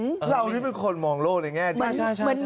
เรานี่เป็นคนมองโลกในแง่ดี